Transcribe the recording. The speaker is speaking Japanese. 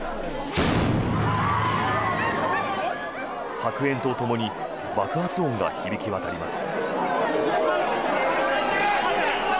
白煙とともに爆発音が響き渡ります。